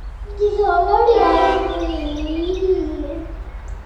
Diddorol iawn wir.